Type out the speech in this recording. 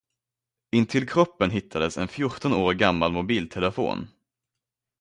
Intill kroppen hittades en fjorton år gammal mobiltelefon.